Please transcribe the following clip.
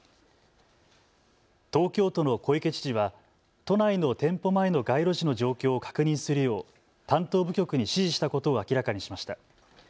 東京都の小池知事は都内の店舗前の街路樹の状況を確認するよう担当部局に指示したことを明らかにしました。